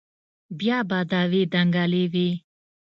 بيا به دعوې دنگلې وې.